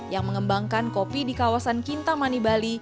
yang mengembangkan kopi di kawasan kintamani bali